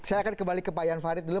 saya akan kembali ke pak jan farid dulu